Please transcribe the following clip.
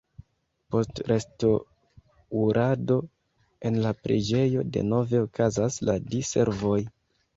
Post restaŭrado en la preĝejo denove okazas la di-servoj.